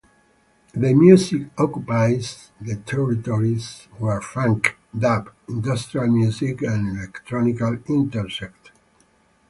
Their music occupies the territory where funk, dub, industrial music and electronica intersect.